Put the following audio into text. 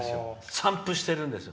散布してるんですよ。